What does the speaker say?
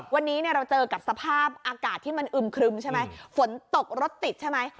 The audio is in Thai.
วันนี้เราเจอกับสภาพอากาศที่มันอึมครึมใช่ไหมฝนตกรถติดใช่ไหม